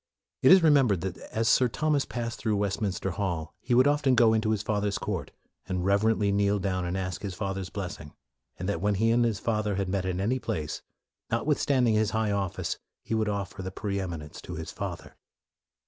It is remembered that as Sir Thomas passed through Westmin ster Hall, he would often go into his fa ther's court, and reverently kneel down and ask his father's blessing; and that when he and his father met in any place, " notwithstanding his high office, he would offer the pre eminence to his father."